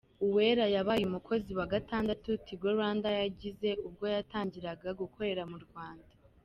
Uwera yabaye umukozi wa gatandatu Tigo Rwanda yagize ubwo yatangiraga gukorera mu Rwanda.